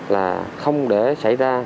là không để xảy ra